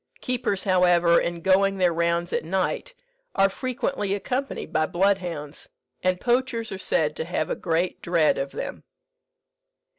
Keepers, however, in going their rounds at night, are frequently accompanied by bloodhounds, and poachers are said to have a great dread of them.